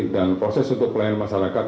dan proses untuk pelayanan masyarakat